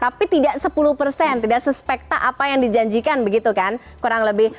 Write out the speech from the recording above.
tapi tidak sepuluh persen tidak sespekta apa yang dijanjikan begitu kan kurang lebih